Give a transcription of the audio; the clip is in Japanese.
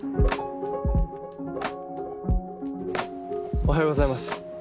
おはようございます。